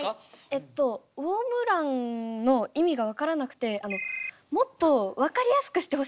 えっとウオームランの意味が分からなくてもっと分かりやすくしてほしくて。